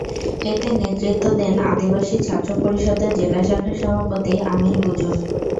এতে নেতৃত্ব দেন আদিবাসী ছাত্র পরিষদের জেলা শাখার সভাপতি আমিন কুজুর।